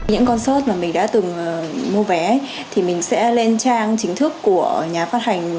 những concert mà mình đã từng mua vé thì mình sẽ lên trang chính thức của nhà phát hành